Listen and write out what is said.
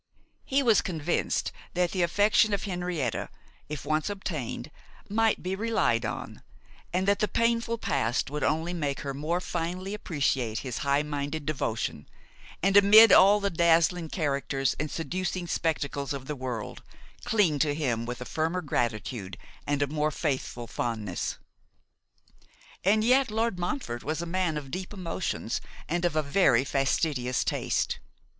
He was convinced that the affection of Henrietta, if once obtained, might be relied on, and that the painful past would only make her more finely appreciate his high minded devotion, and amid all the dazzling characters and seducing spectacles of the world, cling to him with a firmer gratitude and a more faithful fondness. And yet Lord Montfort was a man of deep emotions, and of a very fastidious taste.